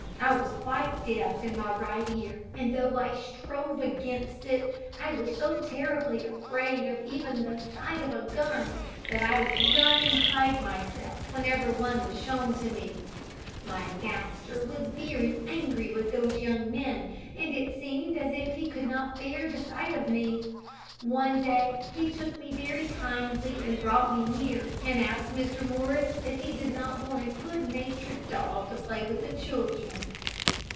I was quite deaf in my right ear, and though I strove against it, I was so terribly afraid of even the sight of a gun that I would run and hide myself whenever one was shown to me. My master was very angry with those young men, and it seemed as if he could not bear the sight of me. One day he took me very kindly and brought me here, and asked Mr. Morris if he did not want a good natured dog to play with the children.